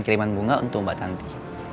kiriman bunga untuk mbak tanti